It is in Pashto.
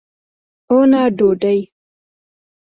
او نه ډوډۍ.